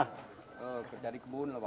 kerja di kebun